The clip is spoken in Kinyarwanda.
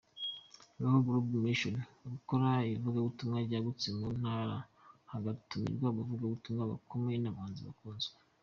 Baho Global Mission: Gukora ivugabutumwa ryagutse mu ntara hagatumirwa abavugabutumwa bakomeye n'abahanzi bakunzwe.